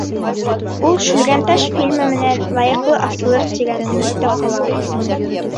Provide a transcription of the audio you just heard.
Ул «Шүлгәнташ» фильмы менән лайыҡлы асылыр тигән өмөттә ҡалабыҙ.